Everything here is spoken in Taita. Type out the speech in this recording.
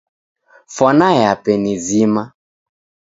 Fwana yape ni zima.